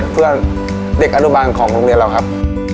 เพื่อเด็กอนุบาลของโรงเรียนเราครับ